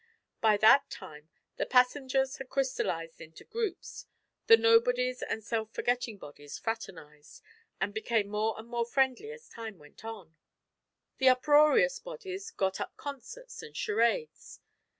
By that time the passengers had crystallised into groups, the nobodies and self forgetting bodies fraternised, and became more and more friendly as time went on. The uproarious bodies got up concerts and charades.